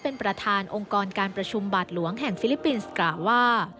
เป็นประธานองค์กรการประชุมบาทหลวงแห่งฟิลิปปินส์กล่าวว่า